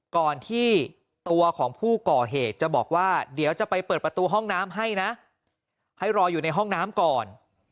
ก่อนที่ตัวของผู้ก่อเหตุจะบอกว่าเดี๋ยวจะไปเปิดประตูห้องน้ำให้นะให้รออยู่ในห้องน้ำก่อน